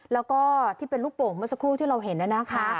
และก็ที่เป็นรูปโปะเมื่อสักครู่ที่เราเห็นแล้วนะคะ